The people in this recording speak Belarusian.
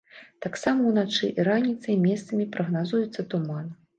Таксама ўначы і раніцай месцамі прагназуецца туман.